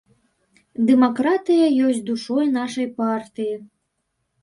Дэмакратыя ёсць душой нашай партыі.